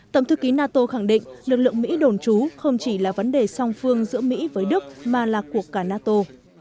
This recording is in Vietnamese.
tổng thư ký nato khẳng định lực lượng mỹ đồn trú không chỉ là vấn đề song phương giữa mỹ với đức mà là cuộc cả nato